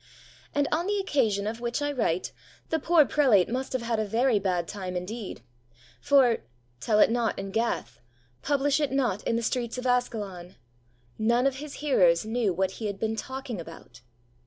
And, on the occasion of which I write, the poor prelate must have had a very bad time indeed. For tell it not in Gath, publish it not in the streets of Askelon! none of his hearers knew what he had been talking about!